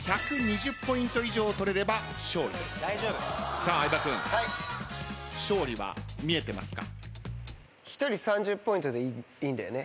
さあ相葉君勝利は見えてますか？